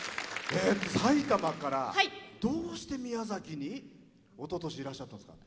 埼玉から、どうして宮崎におととしいらっしゃったんですか？